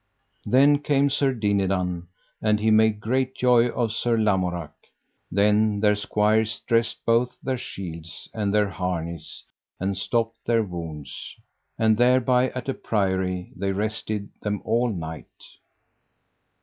Then came Sir Dinadan, and he made great joy of Sir Lamorak. Then their squires dressed both their shields and their harness, and stopped their wounds. And thereby at a priory they rested them all night.